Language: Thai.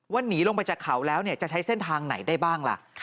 หนีลงไปจากเขาแล้วจะใช้เส้นทางไหนได้บ้างล่ะ